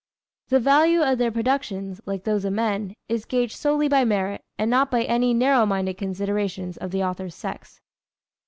The value of their productions, like those of men, is gauged solely by merit and not by any narrow minded considerations of the author's sex.